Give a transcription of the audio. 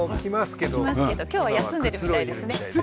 来ますけど今日は休んでるみたいですね。